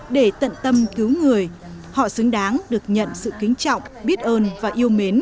để tận tâm cứu người họ xứng đáng được nhận sự kính trọng biết ơn và yêu mến